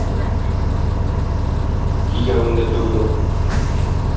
Кигәвен дә түгел ул